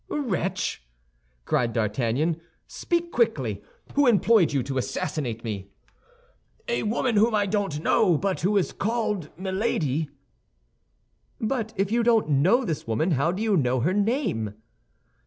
"Wretch," cried D'Artagnan, "speak quickly! Who employed you to assassinate me?" "A woman whom I don't know, but who is called Milady." "But if you don't know this woman, how do you know her name?"